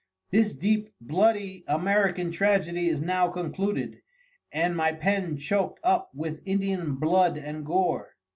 This Deep, Bloody American Tragedy is now concluded, and my Pen choakt up with Indian Blood and Gore.